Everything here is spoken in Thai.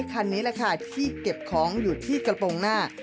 คันนี้แหละค่ะที่เก็บของอยู่ที่กระโปรงหน้า